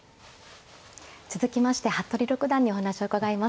続きまして服部六段にお話を伺います。